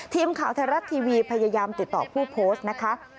ทีมข่าวไทยรัฐทีวีพยายามติดต่อผู้โพสต์นะคะ